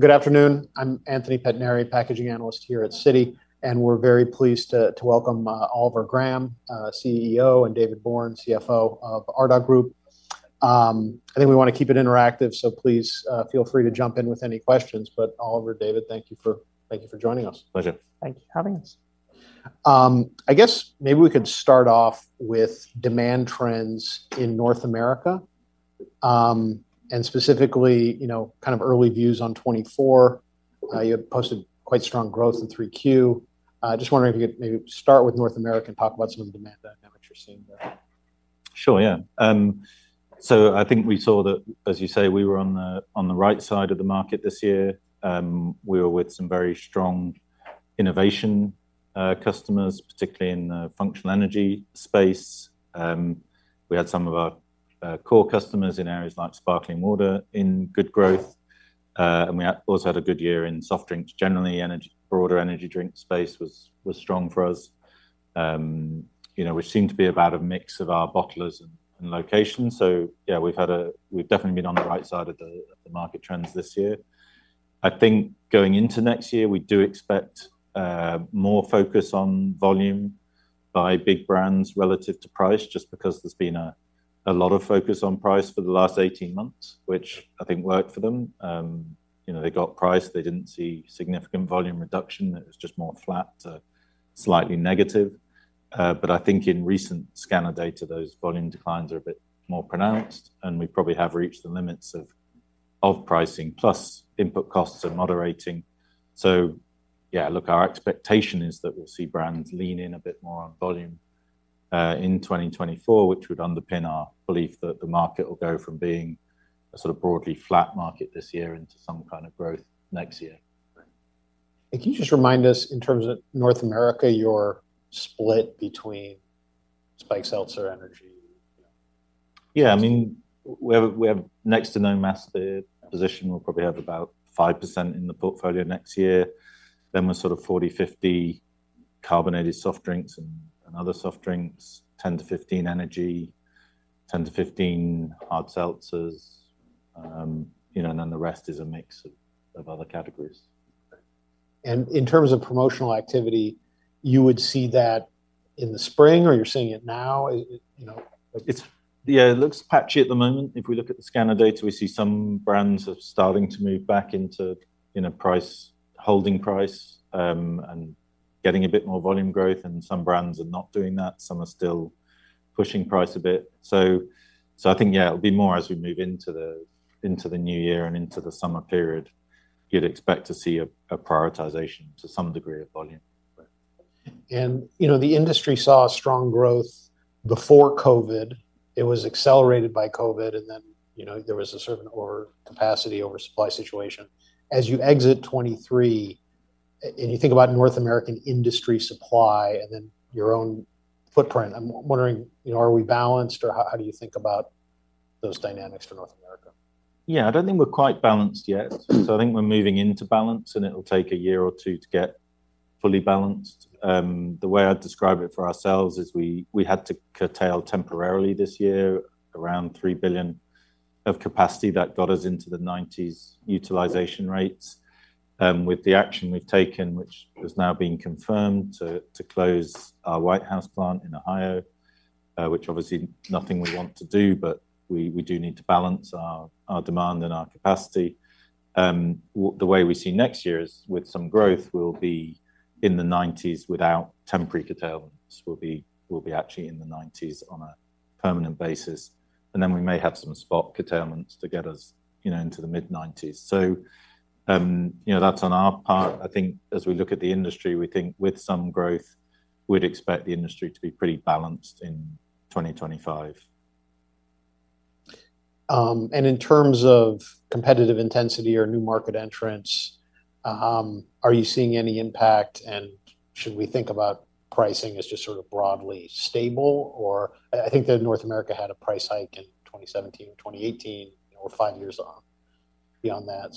Good afternoon, I'm Anthony Pettinari, Packaging Analyst here at Citi, and we're very pleased to welcome Oliver Graham, CEO, and David Bourne, CFO of Ardagh Group. I think we wanna keep it interactive, so please feel free to jump in with any questions. But Oliver, David, thank you for joining us. Pleasure. Thank you for having us. I guess maybe we could start off with demand trends in North America. Specifically, you know, kind of early views on 2024. You posted quite strong growth in 3Q. I'm just wondering if you could maybe start with North America and talk about some of the demand dynamics you're seeing there. Sure, yeah. So I think we saw that, as you say, we were on the right side of the market this year. We were with some very strong innovation customers, particularly in the functional energy space. We had some of our core customers in areas like sparkling water in good growth, and we also had a good year in soft drinks. Generally, broader energy drink space was strong for us. You know, which seemed to be about a mix of our bottlers and locations. So yeah, we've definitely been on the right side of the market trends this year. I think going into next year, we do expect more focus on volume by big brands relative to price, just because there's been a lot of focus on price for the last 18 months, which I think worked for them. You know, they got price, they didn't see significant volume reduction. It was just more flat to slightly negative. But I think in recent scanner data, those volume declines are a bit more pronounced, and we probably have reached the limits of pricing, plus input costs are moderating. So, yeah, look, our expectation is that we'll see brands lean in a bit more on volume in 2024, which would underpin our belief that the market will go from being a sort of broadly flat market this year into some kind of growth next year. Can you just remind us, in terms of North America, your split between hard seltzer, energy? Yeah, I mean, we have, we have next to no mass beer position. We'll probably have about 5% in the portfolio next year. Then we're sort of 40-50 carbonated soft drinks and other soft drinks, 10-15 energy, 10-15 hard seltzers. You know, and then the rest is a mix of other categories. In terms of promotional activity, you would see that in the spring or you're seeing it now? You know- It's—yeah, it looks patchy at the moment. If we look at the scanner data, we see some brands are starting to move back into, you know, price, holding price, and getting a bit more volume growth, and some brands are not doing that. Some are still pushing price a bit. So, so I think, yeah, it'll be more as we move into the, into the new year and into the summer period, you'd expect to see a, a prioritization to some degree of volume. You know, the industry saw strong growth before COVID. It was accelerated by COVID, and then, you know, there was a certain over capacity over supply situation. As you exit 2023, and you think about North American industry supply and then your own footprint, I'm wondering, you know, are we balanced, or how, how do you think about those dynamics for North America? Yeah, I don't think we're quite balanced yet. So I think we're moving into balance, and it'll take a year or two to get fully balanced. The way I'd describe it for ourselves is we had to curtail temporarily this year, around 3 billion of capacity that got us into the 90s utilization rates. With the action we've taken, which has now been confirmed to close our Whitehouse plant in Ohio, which obviously nothing we want to do, but we do need to balance our demand and our capacity. The way we see next year is with some growth, we'll be in the 90s without temporary curtailments. We'll be actually in the 90s on a permanent basis. And then we may have some spot curtailments to get us, you know, into the mid-90s. So, you know, that's on our part. I think as we look at the industry, we think with some growth, we'd expect the industry to be pretty balanced in 2025. In terms of competitive intensity or new market entrants, are you seeing any impact? And should we think about pricing as just sort of broadly stable or—I, I think that North America had a price hike in 2017, 2018. We're five years on beyond that,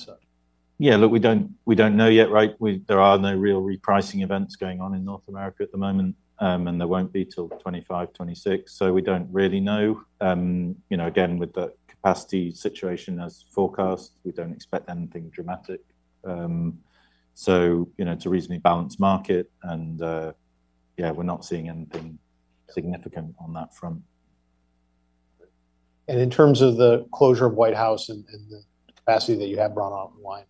so. Yeah, look, we don't, we don't know yet, right? We, there are no real repricing events going on in North America at the moment, and there won't be till 2025, 2026, so we don't really know. You know, again, with the capacity situation as forecast, we don't expect anything dramatic. So, you know, it's a reasonably balanced market and, yeah, we're not seeing anything significant on that front. In terms of the closure of Whitehouse and the capacity that you have brought online,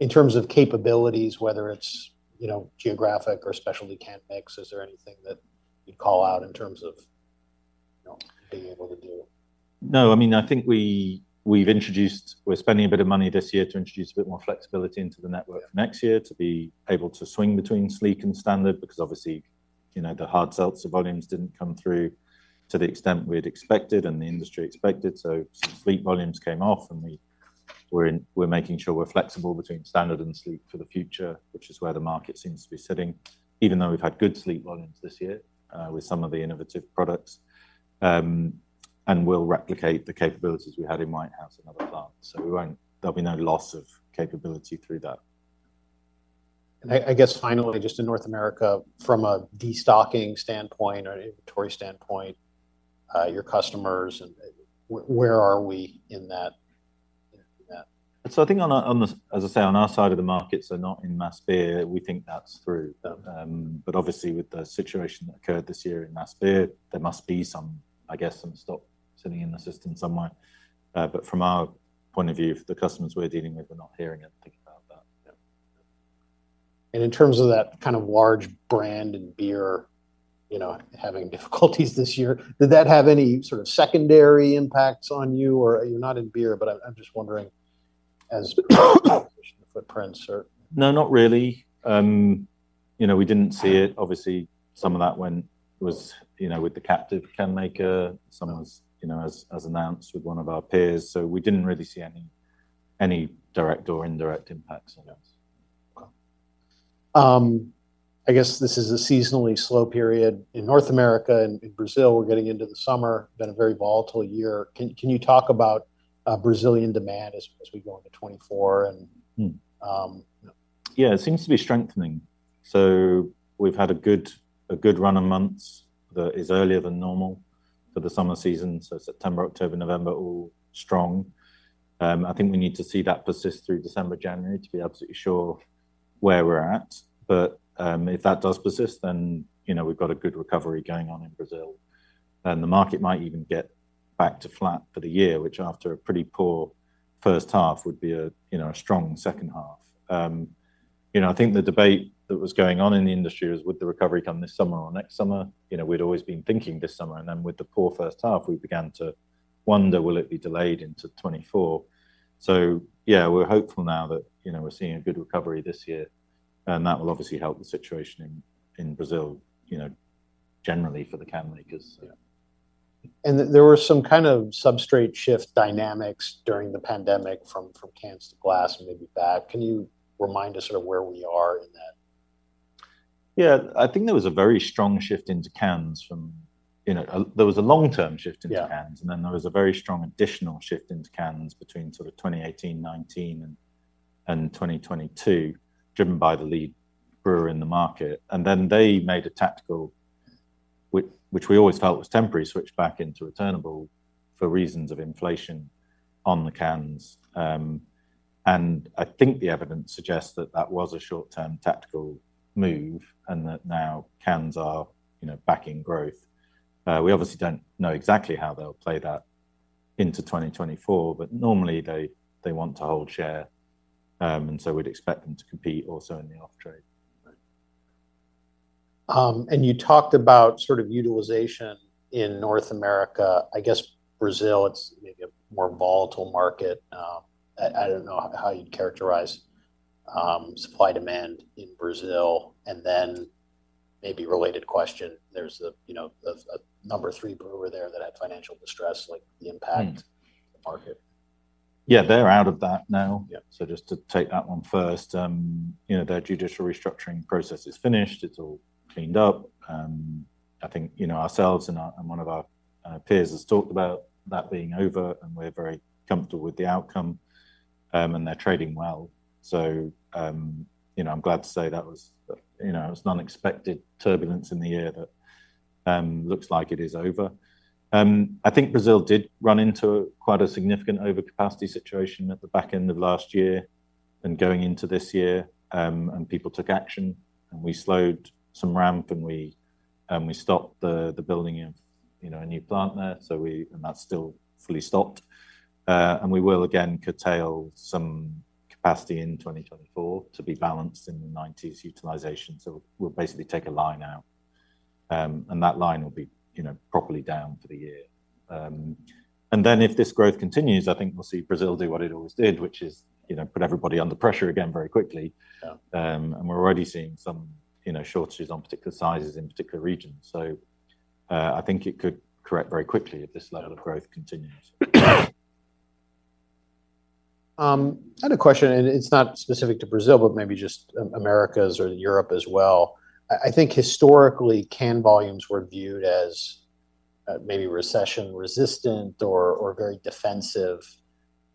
in terms of capabilities, whether it's, you know, geographic or specialty can mix, is there anything that you'd call out in terms of, you know, being able to do? No, I mean, I think we've introduced. We're spending a bit of money this year to introduce a bit more flexibility into the network next year, to be able to swing between Sleek and Standard. Because obviously, you know, the hard seltzer volumes didn't come through to the extent we had expected and the industry expected. So some Sleek volumes came off, and we're making sure we're flexible between standard and Sleek for the future, which is where the market seems to be sitting. Even though we've had good Sleek volumes this year with some of the innovative products, and we'll replicate the capabilities we had in Whitehouse and other plants. So there'll be no loss of capability through that. I guess finally, just in North America, from a destocking standpoint or inventory standpoint, your customers and where are we in that, in that? So I think, as I say, on our side of the market, so not in mass beer, we think that's through. But obviously, with the situation that occurred this year in mass beer, there must be some, I guess, some stock sitting in the system somewhere. But from our point of view, the customers we're dealing with are not hearing it and thinking about that. In terms of that kind of large brand and beer, you know, having difficulties this year, did that have any sort of secondary impacts on you or—you're not in beer, but I'm, I'm just wondering, as footprints or? No, not really. You know, we didn't see it. Obviously, some of that went with, you know, with the captive can-maker. Some was, you know, as announced with one of our peers. So we didn't really see any direct or indirect impacts, I guess. I guess this is a seasonally slow period in North America and in Brazil, we're getting into the summer, been a very volatile year. Can you talk about Brazilian demand as we go into 2024 and Yeah, it seems to be strengthening. So we've had a good, a good run of months that is earlier than normal for the summer season. So September, October, November, all strong. I think we need to see that persist through December, January to be absolutely sure where we're at. But, if that does persist, then, you know, we've got a good recovery going on in Brazil, and the market might even get back to flat for the year, which after a pretty poor first half, would be a, you know, a strong second half. You know, I think the debate that was going on in the industry is, would the recovery come this summer or next summer? You know, we'd always been thinking this summer, and then with the poor first half, we began to wonder, will it be delayed into 2024? So yeah, we're hopeful now that, you know, we're seeing a good recovery this year, and that will obviously help the situation in Brazil, you know, generally for the can makers. Yeah. And there were some kind of substrate shift dynamics during the pandemic from cans to glass and maybe back. Can you remind us sort of where we are in that? Yeah. I think there was a very strong shift into cans from, you know—there was a long-term shift into cans. Yeah. And then there was a very strong additional shift into cans between sort of 2018, 2019 and 2022, driven by the lead brewer in the market. And then they made a tactical, which we always felt was temporary, switch back into returnable for reasons of inflation on the cans. And I think the evidence suggests that that was a short-term tactical move, and that now cans are, you know, backing growth. We obviously don't know exactly how they'll play that into 2024, but normally, they, they want to hold share, and so we'd expect them to compete also in the off-trade. You talked about sort of utilization in North America. I guess, Brazil, it's maybe a more volatile market. I don't know how you'd characterize supply-demand in Brazil, and then maybe related question, there's a, you know, number three brewer there that had financial distress, like the impact on the market. Yeah, they're out of that now. Yeah. So just to take that one first, you know, their judicial restructuring process is finished. It's all cleaned up. I think, you know, ourselves and one of our peers has talked about that being over, and we're very comfortable with the outcome, and they're trading well. So, you know, I'm glad to say that was, you know, it was an unexpected turbulence in the air that looks like it is over. I think Brazil did run into quite a significant overcapacity situation at the back end of last year and going into this year, and people took action, and we slowed some ramp, and we stopped the building of a new plant there. So we and that's still fully stopped. And we will again curtail some capacity in 2024 to be balanced in the 90s utilization. So we'll basically take a line out, and that line will be, you know, properly down for the year. And then if this growth continues, I think we'll see Brazil do what it always did, which is, you know, put everybody under pressure again very quickly. Yeah. We're already seeing some, you know, shortages on particular sizes in particular regions. So, I think it could correct very quickly if this level of growth continues. I had a question, and it's not specific to Brazil, but maybe just Americas or Europe as well. I think historically, can volumes were viewed as, maybe recession resistant or very defensive.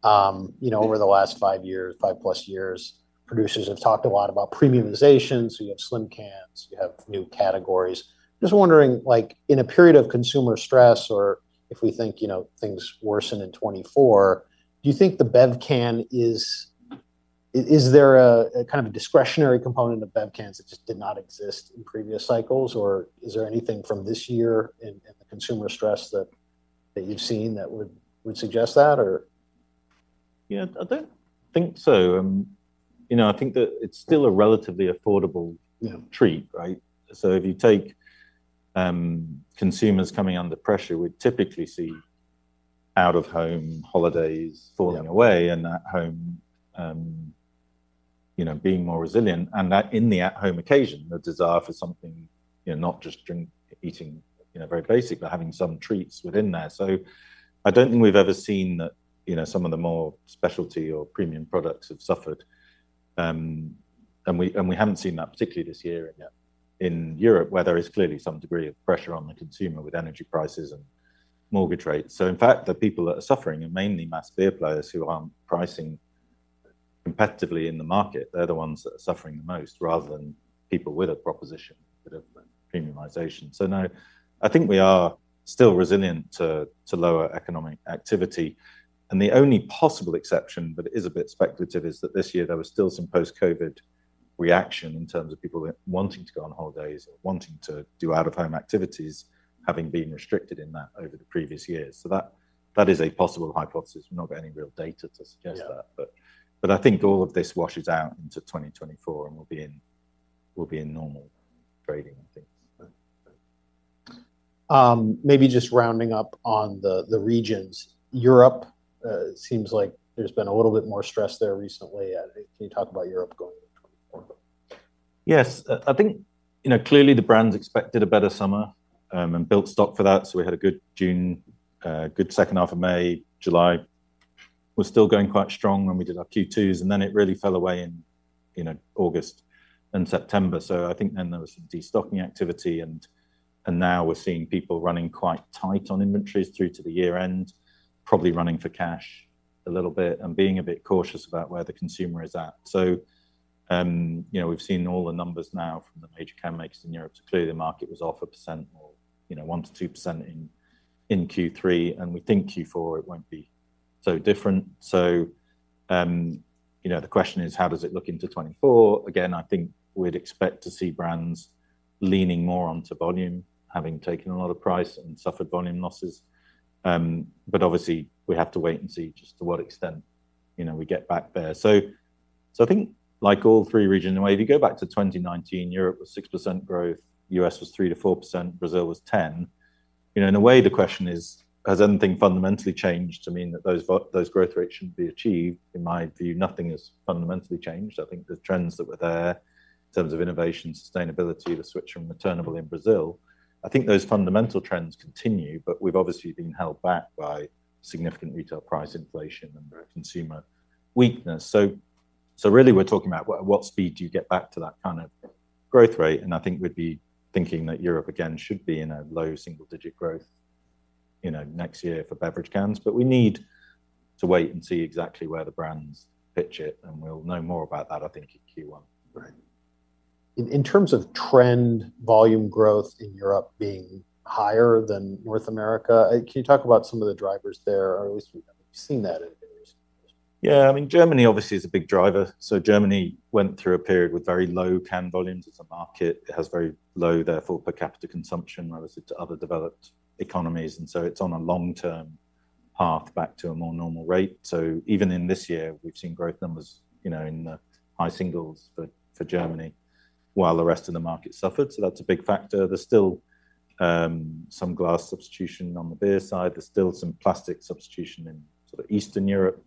You know, over the last 5 years, 5-plus years, producers have talked a lot about premiumization. So you have slim cans, you have new categories. Just wondering, like, in a period of consumer stress or if we think, you know, things worsen in 2024, do you think the bev can is—is there a kind of a discretionary component of bev cans that just did not exist in previous cycles, or is there anything from this year in the consumer stress that you've seen that would suggest that or? Yeah, I don't think so. You know, I think that it's still a relatively affordable— Yeah. Treat, right? So if you take, consumers coming under pressure, we'd typically see out-of-home holidays falling away— Yeah. And at home, you know, being more resilient, and that in the at-home occasion, the desire for something, you know, not just drink, eating, you know, very basic, but having some treats within there. So I don't think we've ever seen that, you know, some of the more specialty or premium products have suffered. And we haven't seen that, particularly this year— Yeah. In Europe, where there is clearly some degree of pressure on the consumer with energy prices and mortgage rates. So in fact, the people that are suffering are mainly mass beer players who aren't pricing competitively in the market. They're the ones that are suffering the most, rather than people with a proposition, with a premiumization. So no, I think we are still resilient to, to lower economic activity. And the only possible exception, but it is a bit speculative, is that this year there was still some post-COVID reaction in terms of people wanting to go on holidays or wanting to do out-of-home activities, having been restricted in that over the previous years. So that, that is a possible hypothesis. We've not got any real data to suggest that. Yeah. But I think all of this washes out into 2024, and we'll be in normal trading and things. Maybe just rounding up on the regions. Europe seems like there's been a little bit more stress there recently. Can you talk about Europe going into 2024? Yes. I think, you know, clearly the brands expected a better summer, and built stock for that. So we had a good June, a good second half of May. July was still going quite strong when we did our Q2s, and then it really fell away in, you know, August and September. So I think then there was some destocking activity, and now we're seeing people running quite tight on inventories through to the year-end, probably running for cash a little bit and being a bit cautious about where the consumer is at. So, you know, we've seen all the numbers now from the major can makers in Europe. So clearly, the market was off 1% or, you know, 1%-2% in Q3, and we think Q4, it won't be so different. So, you know, the question is: How does it look into 2024? Again, I think we'd expect to see brands leaning more onto volume, having taken a lot of price and suffered volume losses. But obviously, we have to wait and see just to what extent, you know, we get back there. So, I think like all three regions, in a way, if you go back to 2019, Europe was 6% growth, U.S. was 3%-4%, Brazil was 10%. You know, in a way, the question is: Has anything fundamentally changed to mean that those growth rates shouldn't be achieved? In my view, nothing has fundamentally changed. I think the trends that were there in terms of innovation, sustainability, the switch from returnable in Brazil, I think those fundamental trends continue, but we've obviously been held back by significant retail price inflation and consumer weakness. So, so really, we're talking about what, what speed do you get back to that kind of growth rate? And I think we'd be thinking that Europe again should be in a low single-digit growth, you know, next year for beverage cans. But we need to wait and see exactly where the brands pitch it, and we'll know more about that, I think, in Q1. Right. In terms of trend, volume growth in Europe being higher than North America, can you talk about some of the drivers there, or at least we've seen that in recent years? Yeah. I mean, Germany obviously is a big driver. So Germany went through a period with very low can volumes as a market. It has very low, therefore, per capita consumption relative to other developed economies, and so it's on a long-term path back to a more normal rate. So even in this year, we've seen growth numbers, you know, in the high singles for Germany, while the rest of the market suffered. So that's a big factor. There's still some glass substitution on the beer side. There's still some plastic substitution in sort of Eastern Europe.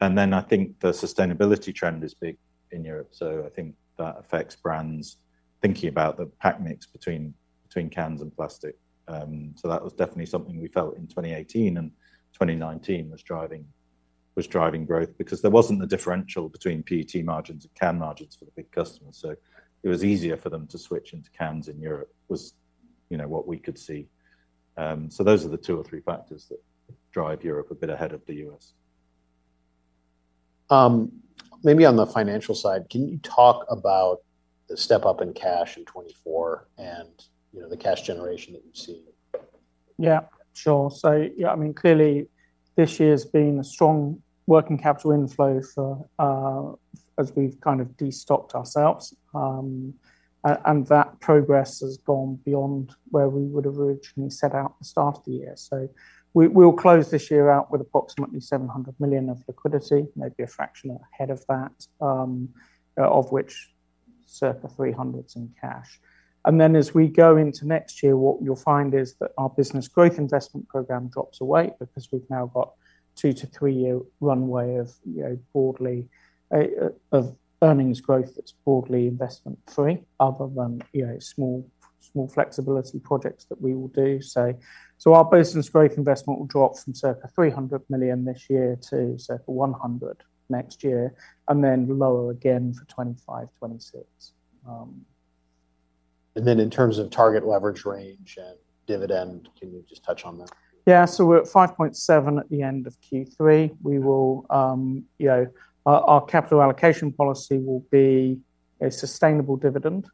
And then I think the sustainability trend is big in Europe, so I think that affects brands thinking about the pack mix between cans and plastic. So that was definitely something we felt in 2018 and 2019 was driving growth because there wasn't a differential between PET margins and can margins for the big customers. So it was easier for them to switch into cans in Europe, you know, what we could see. So those are the two or three factors that drive Europe a bit ahead of the U.S. Maybe on the financial side, can you talk about the step-up in cash in 2024 and, you know, the cash generation that you've seen? Yeah, sure. So yeah, I mean, clearly, this year's been a strong working capital inflow for, as we've kind of destocked ourselves. And that progress has gone beyond where we would have originally set out at the start of the year. So we, we'll close this year out with approximately $700 million of liquidity, maybe a fraction ahead of that, of which circa $300's in cash. And then as we go into next year, what you'll find is that our Business Growth Investment program drops away because we've now got 2-3-year runway of, you know, broadly, of earnings growth that's broadly investment free, other than, you know, small, small flexibility projects that we will do. So, so our Business Growth Investment will drop from circa $300 million this year to circa $100 million next year, and then lower again for 2025, 2026. And then in terms of target leverage range and dividend, can you just touch on that? Yeah. So we're at 5.7 at the end of Q3. We will, you know, our capital allocation policy will be a sustainable dividend,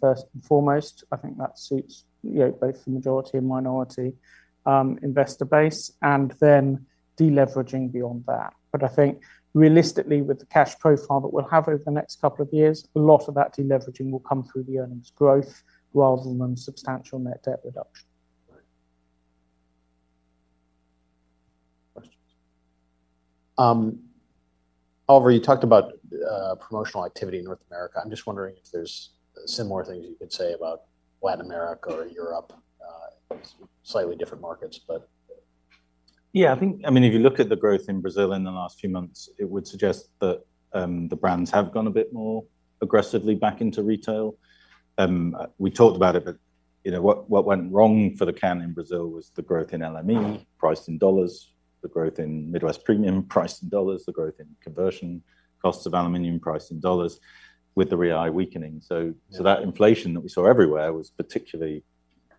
first and foremost. I think that suits, you know, both the majority and minority investor base, and then deleveraging beyond that. But I think realistically, with the cash profile that we'll have over the next couple of years, a lot of that deleveraging will come through the earnings growth rather than substantial net debt reduction. Right. Questions. Oliver, you talked about promotional activity in North America. I'm just wondering if there's similar things you could say about Latin America or Europe, slightly different markets, but— Yeah, I think, I mean, if you look at the growth in Brazil in the last few months, it would suggest that the brands have gone a bit more aggressively back into retail. We talked about it, but you know, what, what went wrong for the can in Brazil was the growth in LME, priced in dollars—the growth in Midwest Premium price in dollars, the growth in conversion costs of aluminum price in dollars with the real weakening. So that inflation that we saw everywhere was particularly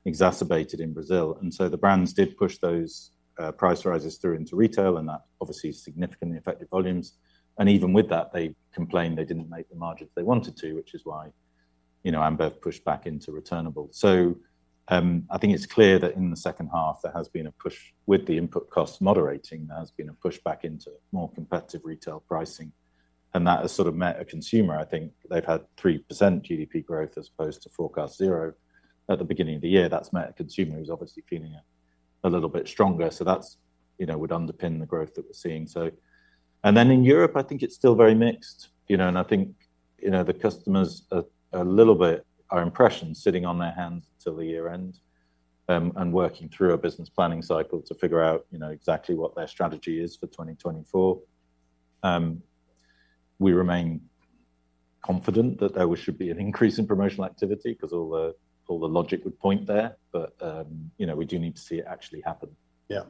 exacerbated in Brazil. And so the brands did push those price rises through into retail, and that obviously significantly affected volumes. And even with that, they complained they didn't make the margins they wanted to, which is why, you know, Ambev pushed back into returnable. So, I think it's clear that in the second half there has been a push with the input cost moderating. There has been a push back into more competitive retail pricing, and that has sort of met a consumer. I think they've had 3% GDP growth as opposed to forecast 0 at the beginning of the year. That's met a consumer who's obviously feeling a little bit stronger. So that's, you know, would underpin the growth that we're seeing. So, and then in Europe, I think it's still very mixed, you know, and I think, you know, the customers a little bit, our impression, sitting on their hands till the year end, and working through a business planning cycle to figure out, you know, exactly what their strategy is for 2024. We remain confident that there should be an increase in promotional activity because all the logic would point there, but, you know, we do need to see it actually happen. Yeah.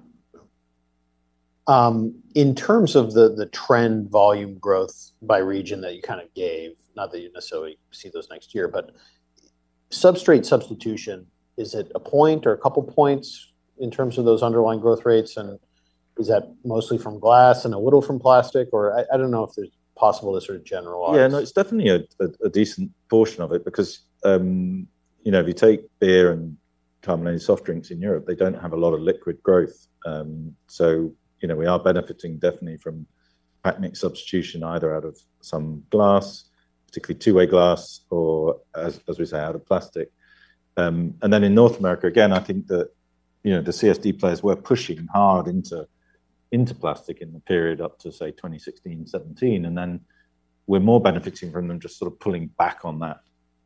In terms of the trend volume growth by region that you kind of gave, not that you necessarily see those next year, but substrate substitution, is it a point or a couple points in terms of those underlying growth rates? And is that mostly from glass and a little from plastic? Or I don't know if it's possible to sort of generalize. Yeah, no, it's definitely a decent portion of it because, you know, if you take beer and carbonated soft drinks in Europe, they don't have a lot of liquid growth. So, you know, we are benefiting definitely from packaging substitution, either out of some glass, particularly two-way glass, or as we say, out of plastic. And then in North America, again, I think that, you know, the CSD players were pushing hard into plastic in the period up to, say, 2016, 2017. And then we're more benefiting from them, just sort of pulling back on that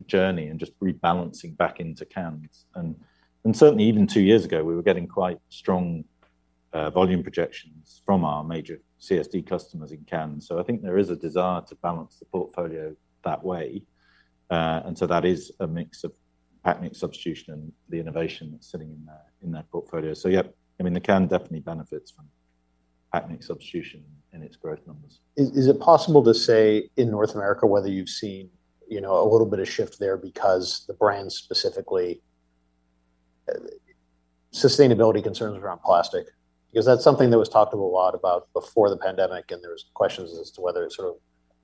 journey and just rebalancing back into cans. And certainly even two years ago, we were getting quite strong volume projections from our major CSD customers in cans. So I think there is a desire to balance the portfolio that way. And so that is a mix of packaging substitution and the innovation that's sitting in that, in that portfolio. So yeah, I mean, the can definitely benefits from packaging substitution in its growth numbers. Is it possible to say in North America whether you've seen, you know, a little bit of shift there because the brand specifically, sustainability concerns around plastic? Because that's something that was talked a lot about before the pandemic, and there was questions as to whether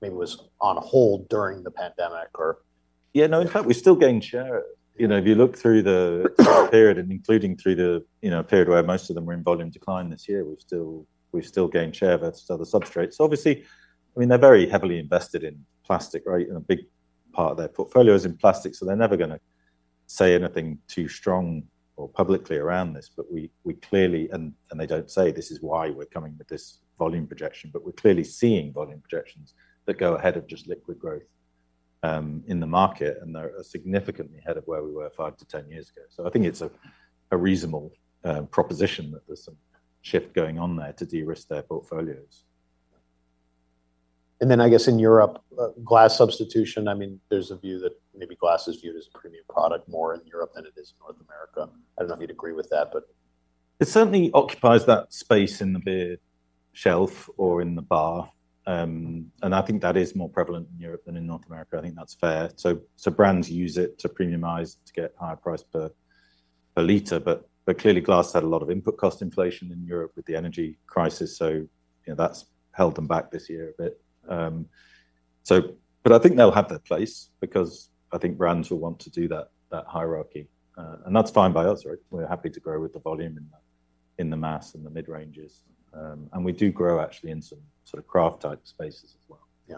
it sort of maybe was on hold during the pandemic or- Yeah, no, in fact, we're still gaining share. You know, if you look through the period, and including through the, you know, period where most of them were in volume decline this year, we've still, we've still gained share versus other substrates. Obviously, I mean, they're very heavily invested in plastic, right? And a big part of their portfolio is in plastic, so they're never gonna say anything too strong or publicly around this. But we, we clearly, and, and they don't say this is why we're coming with this volume projection, but we're clearly seeing volume projections that go ahead of just liquid growth in the market, and they're significantly ahead of where we were 5-10 years ago. So I think it's a reasonable proposition that there's some shift going on there to de-risk their portfolios. I guess in Europe, glass substitution, I mean, there's a view that maybe glass is viewed as a premium product more in Europe than it is in North America. I don't know if you'd agree with that, but. It certainly occupies that space in the beer shelf or in the bar. I think that is more prevalent in Europe than in North America. I think that's fair. So brands use it to premiumize, to get higher price per liter. But clearly, glass had a lot of input cost inflation in Europe with the energy crisis, so, you know, that's held them back this year a bit. But I think they'll have their place because I think brands will want to do that, that hierarchy, and that's fine by us, right? We're happy to grow with the volume in the mass and the mid-ranges. We do grow actually in some sort of craft type spaces as well. Yeah.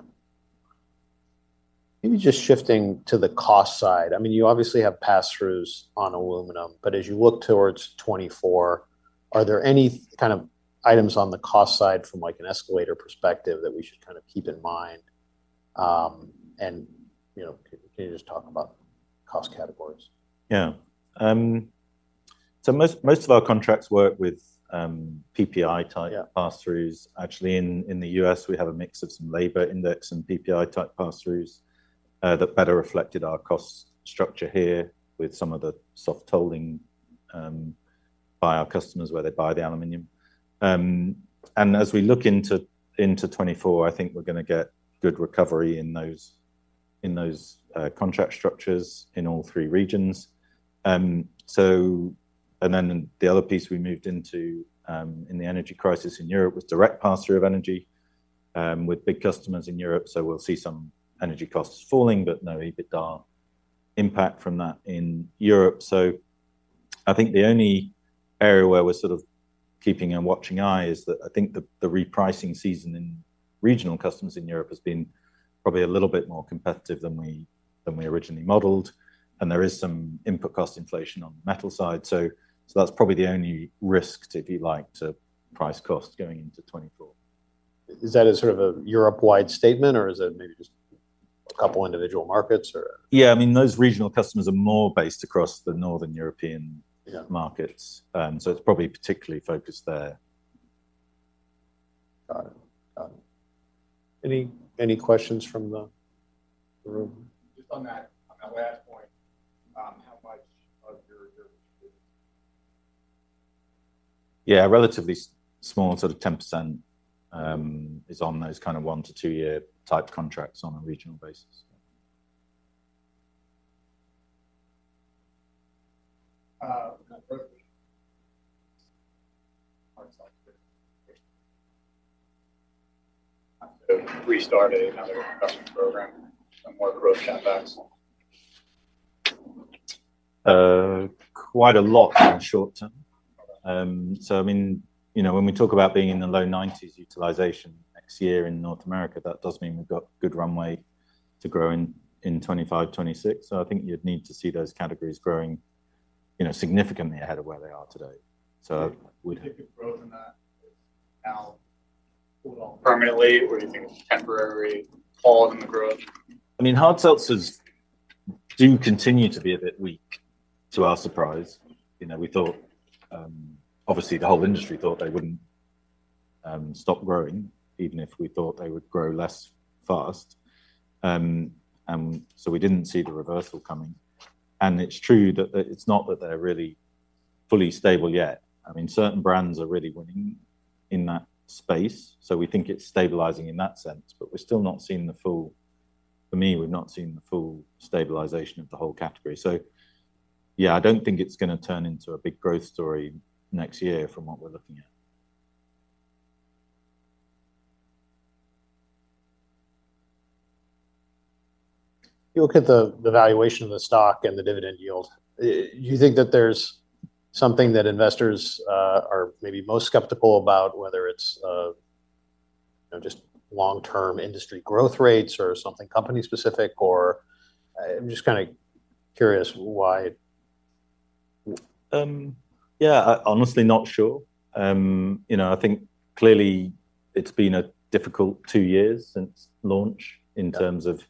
Maybe just shifting to the cost side. I mean, you obviously have pass-throughs on aluminum, but as you look towards 2024, are there any kind of items on the cost side from, like, an escalator perspective that we should kind of keep in mind? And, you know, can you just talk about cost categories? Yeah. So most, most of our contracts work with, PPI type— Yeah. Pass-throughs. Actually, in the U.S., we have a mix of some labor index and PPI type pass-throughs that better reflected our cost structure here with some of the soft tolling by our customers, where they buy the aluminum. And as we look into 2024, I think we're gonna get good recovery in those contract structures in all three regions. So, and then the other piece we moved into in the energy crisis in Europe was direct pass-through of energy with big customers in Europe. So we'll see some energy costs falling, but no EBITDA impact from that in Europe. So I think the only area where we're sort of keeping a watching eye is that I think the repricing season in regional customers in Europe has been probably a little bit more competitive than we originally modeled, and there is some input cost inflation on the metal side. So that's probably the only risk, if you like, to price costs going into 2024. Is that a sort of a Europe-wide statement, or is it maybe just a couple individual markets or? Yeah, I mean, those regional customers are more based across the Northern European— Yeah. Markets. It's probably particularly focused there. Got it. Got it. Any, any questions from the room? Just on that Yeah, a relatively small, sort of 10%, is on those kind of one to two-year type contracts on a regional basis. That growth, hard seltzers. Have you restarted another production program and more growth CapEx? Quite a lot in the short term. So I mean, you know, when we talk about being in the low 90s utilization next year in North America, that does mean we've got good runway to grow in 2025, 2026. So I think you'd need to see those categories growing, you know, significantly ahead of where they are today. So we'd- Do you think the growth in that is now permanently, or do you think it's a temporary pause in the growth? I mean, hard seltzers do continue to be a bit weak, to our surprise. You know, we thought, obviously, the whole industry thought they wouldn't stop growing, even if we thought they would grow less fast. And so we didn't see the reversal coming. And it's true that, that it's not that they're really fully stable yet. I mean, certain brands are really winning in that space, so we think it's stabilizing in that sense, but we're still not seeing the full. For me, we've not seen the full stabilization of the whole category. So yeah, I don't think it's gonna turn into a big growth story next year from what we're looking at. You look at the valuation of the stock and the dividend yield, you think that there's something that investors are maybe most skeptical about, whether it's, you know, just long-term industry growth rates or something company specific or—I'm just kinda curious why. Yeah, honestly, not sure. You know, I think clearly it's been a difficult two years since launch in terms of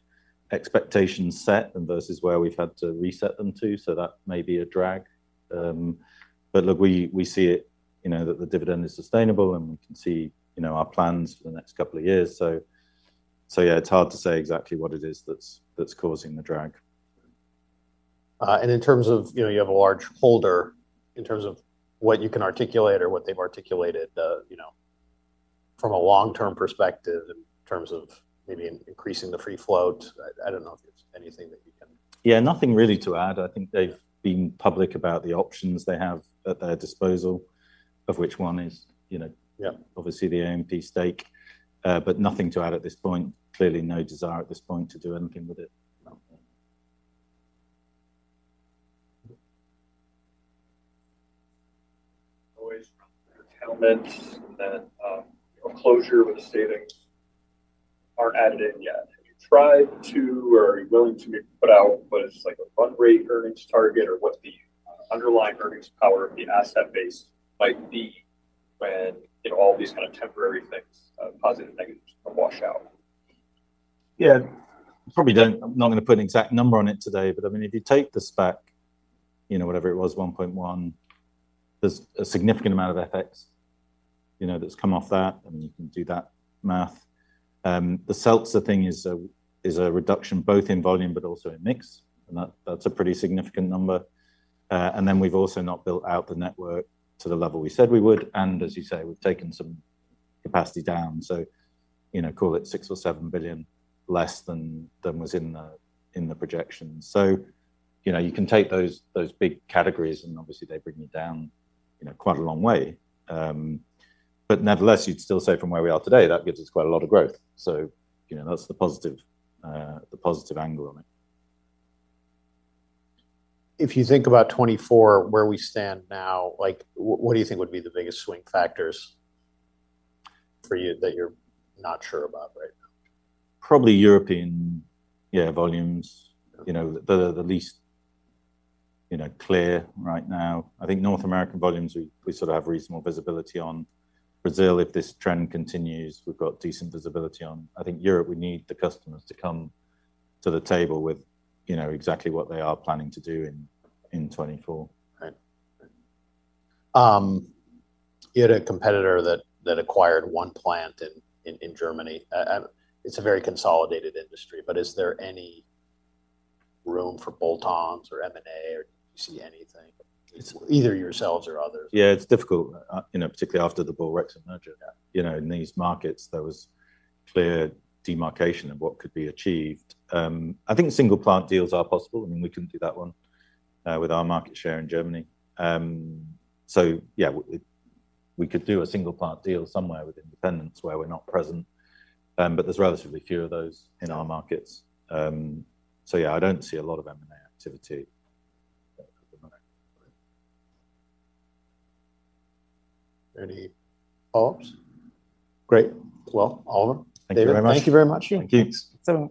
expectations set and versus where we've had to reset them to. So that may be a drag. But look, we, we see it, you know, that the dividend is sustainable, and we can see, you know, our plans for the next couple of years. So, so yeah, it's hard to say exactly what it is that's, that's causing the drag. And in terms of, you know, you have a large holder, in terms of what you can articulate or what they've articulated, you know, from a long-term perspective, in terms of maybe increasing the free float. I don't know if there's anything that you can— Yeah, nothing really to add. I think they've been public about the options they have at their disposal, of which one is, you know— Yeah. Obviously, the AMP stake. But nothing to add at this point. Clearly, no desire at this point to do anything with it. Always tailwinds and then, closure with the savings aren't added in yet. Have you tried to, or are you willing to put out what is, like, a run rate earnings target, or what the underlying earnings power of the asset base might be when, you know, all these kind of temporary things, positive, negative, wash out? Yeah. Probably don't. I'm not gonna put an exact number on it today, but I mean, if you take the SPAC, you know, whatever it was, 1.1, there's a significant amount of FX, you know, that's come off that, and you can do that math. The seltzer thing is a reduction both in volume, but also in mix, and that's a pretty significant number. And then we've also not built out the network to the level we said we would, and as you say, we've taken some capacity down. So, you know, call it $6 billion or $7 billion, less than was in the projections. So, you know, you can take those big categories, and obviously, they bring you down, you know, quite a long way. But nevertheless, you'd still say from where we are today, that gives us quite a lot of growth. So, you know, that's the positive, the positive angle on it. If you think about 2024, where we stand now, like, what do you think would be the biggest swing factors for you that you're not sure about right now? Probably European, yeah, volumes. You know, they're the least, you know, clear right now. I think North American volumes, we, we sort of have reasonable visibility on. Brazil, if this trend continues, we've got decent visibility on. I think Europe, we need the customers to come to the table with, you know, exactly what they are planning to do in, in 2024. Right. You had a competitor that acquired one plant in Germany. It's a very consolidated industry, but is there any room for bolt-ons or M&A, or do you see anything? It's either yourselves or others. Yeah, it's difficult, you know, particularly after the Ball-Rexam merger. Yeah. You know, in these markets, there was clear demarcation of what could be achieved. I think single plant deals are possible. I mean, we couldn't do that one with our market share in Germany. So yeah, we could do a single plant deal somewhere with independents where we're not present. But there's relatively few of those in our markets. So yeah, I don't see a lot of M&A activity at the moment. Any thoughts? Great. Well, all of them. Thank you very much. Thank you very much. Thank you. Thanks so much.